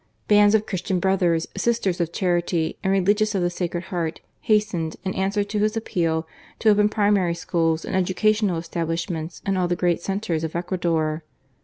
Bands of Christian Brothers, Sisters of Charity, and religious of the Sacred Heart hastened, in answer to his appeal, to open primary schools and educational establishments in all the great centres of Ecuador.